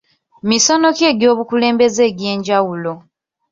Misono ki egy'obukulembeze egy'enjawulo.